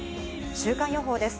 週間予報です。